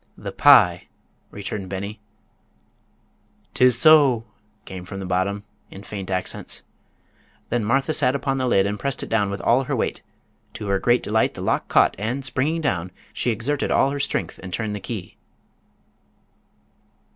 "The pie," returned Beni. "'Tis so!" came from the bottom, in faint accents. Then Martha sat upon the lid and pressed it down with all her weight. To her great delight the lock caught, and, springing down, she exerted all her strength and turned the key.